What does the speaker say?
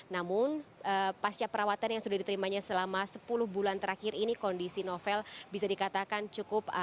namun pasca perawatan yang sudah diterimanya selama sepuluh bulan terakhir ini kondisi novel bisa dikatakan cukup